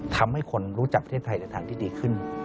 ทำให้คนรู้จักประเทศไทยจากทางที่ดีขึ้น